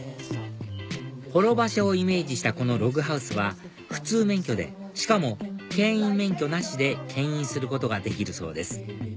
ほろ馬車をイメージしたこのログハウスは普通免許でしかもけん引免許なしでけん引することができるそうです